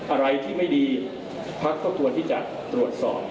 อะไรที่ไม่ดีพักก็ควรที่จะตรวจสอบ